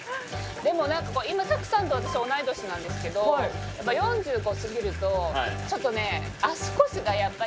でも何か今拓さんと私同い年なんですけどやっぱ４５過ぎるとちょっとね足腰がやっぱり宝塚でガンガンやりすぎて。